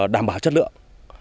đảm bảo chất lượng